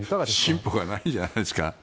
進歩がないじゃないですか。